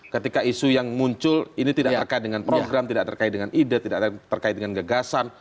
ketika isu yang muncul ini tidak terkait dengan program tidak terkait dengan ide tidak terkait dengan gagasan